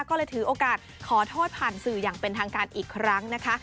ก็เลยถือโอกาสขอโทษผ่านสื่ออย่างเป็นทางการอีกครั้งนะคะ